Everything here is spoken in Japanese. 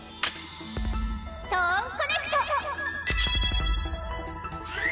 トーンコネクト！